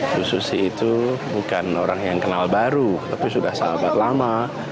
bu susi itu bukan orang yang kenal baru tapi sudah sahabat lama